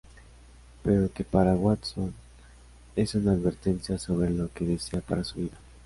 Pero que para Watson es una advertencia sobre lo que desea para su vida.